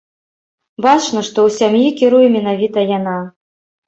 Бачна, што ў сям'і кіруе менавіта яна.